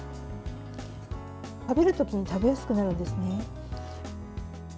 食べる時に食べやすくなるんですね。